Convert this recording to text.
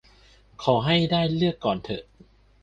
ขอให้ได้เลือกก่อนเถอะ